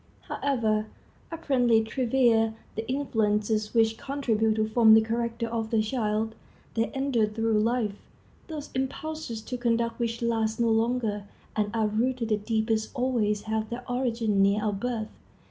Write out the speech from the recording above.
However apparently trivial the influences which contribute to form the character of the child, they endure through life. Those impulses to conduct which last the longest and are rooted the deepest always have their origin near our birth.